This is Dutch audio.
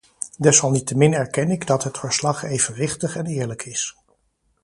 Desalniettemin erken ik dat het verslag evenwichtig en eerlijk is.